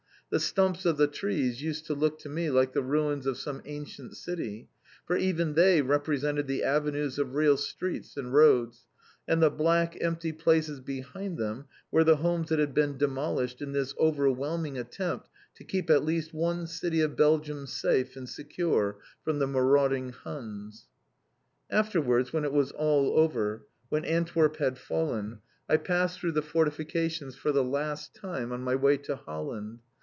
The stumps of the trees used to look to me like the ruins of some ancient city, for even they represented the avenues of real streets and roads, and the black, empty places behind them were the homes that had been demolished in this overwhelming attempt to keep at least one city of Belgium safe and secure from the marauding Huns. Afterwards, when all was over, when Antwerp had fallen, I passed through the fortifications for the last time on my way to Holland.